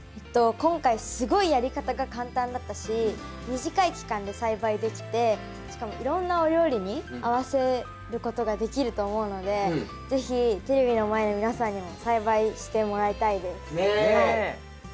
今回すごいやり方が簡単だったし短い期間で栽培できてしかもいろんなお料理に合わせることができると思うので是非テレビの前の皆さんにも栽培してもらいたいです。